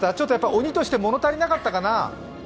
鬼として物足りなかったかな？